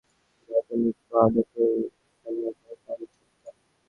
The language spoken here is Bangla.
ভারতে এমন অনেক সাধু আছেন, যাঁহাদের নিকট দ্বন্দ্বাতীত এই সাম্যভাব বর্ণে বর্ণে সত্য।